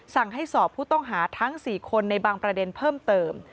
สั่งให้สอบผู้ต้องหาทั้ง๔คนในบางประเด็นเพิ่มเติม